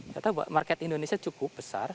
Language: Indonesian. kita buat market indonesia cukup besar